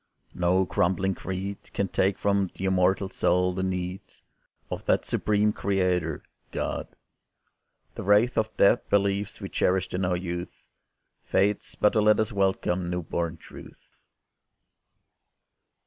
No crumbling creed Can take from the immortal soul the need Of that supreme Creator, God. The wraith Of dead beliefs we cherished in our youth Fades but to let us welcome new born Truth.